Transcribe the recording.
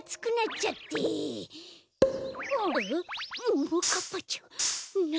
ももかっぱちゃんなんで。